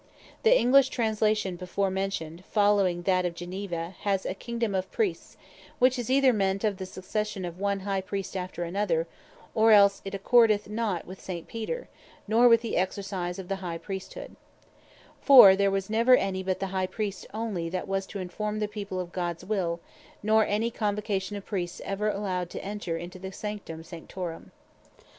The English Translation before mentioned, following that of Geneva, has, "a Kingdome of Priests;" which is either meant of the succession of one High Priest after another, or else it accordeth not with St. Peter, nor with the exercise of the High Priesthood; For there was never any but the High Priest onely, that was to informe the People of Gods Will; nor any Convocation of Priests ever allowed to enter into the Sanctum Sanctorum.